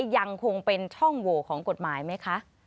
ยังคงเป็นช่องโหวของกฎหมายไหมคะ